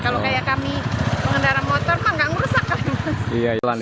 kalau kayak kami pengendara motor pak tidak merusak kali mas